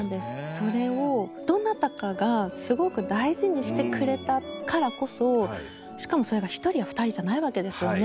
それをどなたかがすごく大事にしてくれたからこそしかもそれが１人や２人じゃないわけですよね。